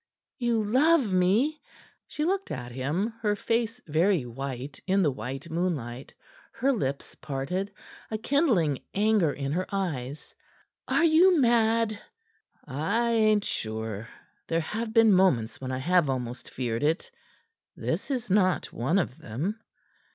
"You love me?" She looked at him, her face very white in the white moonlight, her lips parted, a kindling anger in her eyes. "Are you mad?" "I a'n't sure. There have been moments when I have almost feared it. This is not one of them."